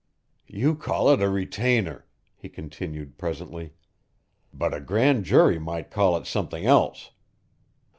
"You call it a retainer," he continued presently, "but a grand jury might call it something else.